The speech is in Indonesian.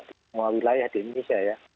di semua wilayah di indonesia ya